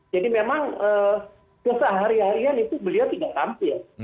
jadi memang biasa hari harian itu beliau tidak tampil